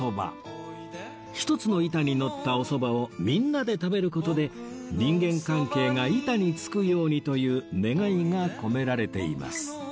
１つの板にのったおそばをみんなで食べる事で人間関係が板に付くようにという願いが込められています